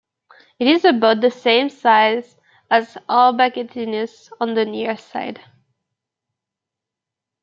It is about the same size as Albategnius on the near side.